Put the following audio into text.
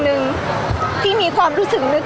พี่ตอบได้แค่นี้จริงค่ะ